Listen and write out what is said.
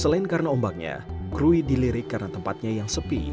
selain karena ombaknya krui dilirik karena tempatnya yang sepi